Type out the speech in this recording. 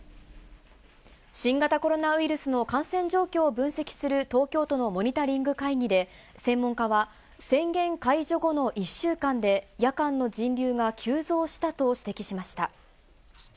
新型コロナウイルスの感染状況を分析する東京都のモニタリング会議で、専門家は、宣言解除後の１週間で、夜間の人流が急増したと指摘しました。